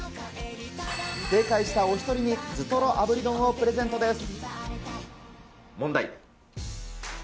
正解したお１人に頭とろ炙り丼をプレゼントです。